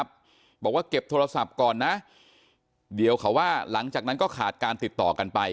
บอกว่าเก็บโทรศัพท์ก่อนนะเดี๋ยวเขาว่าหลังจากนั้นก็ขาดการติดต่อกันไป